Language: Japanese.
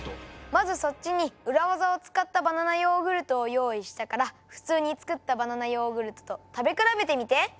まずそっちにウラ技を使ったバナナヨーグルトを用意したからふつうに作ったバナナヨーグルトと食べ比べてみて！